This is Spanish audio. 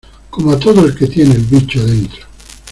como a todo el que tiene el bicho dentro.